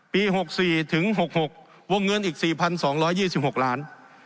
ปีหกสี่ถึงหกหกวงเงินอีกสี่พันสองร้อยยี่สิบหกหลาน